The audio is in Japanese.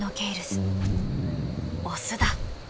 オスだ。